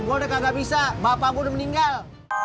gue udah kagak bisa bapak gue udah meninggal